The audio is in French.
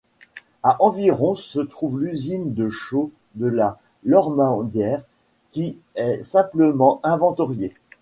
À environ se trouve l'usine de chaux de la Lormandière qui est simplement inventoriée.